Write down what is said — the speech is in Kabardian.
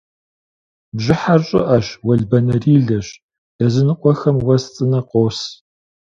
Бжьыхьэр щӏыӏэщ, уэлбанэрилэщ, языныкъуэхэм уэс цӏынэ къос.